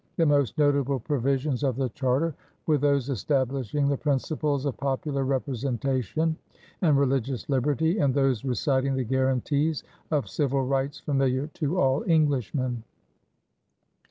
The most notable provisions of the charter were those establishing the principles of popular representation and religious liberty, and those reciting the guarantees of civil rights familiar to all Englishmen.